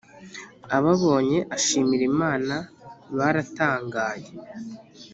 ababonye ashimira Imana baratangaye